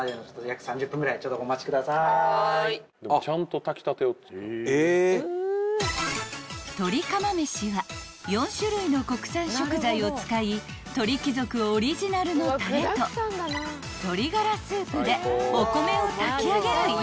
［とり釜飯は４種類の国産食材を使い鳥貴族オリジナルのたれと鶏がらスープでお米を炊き上げる逸品］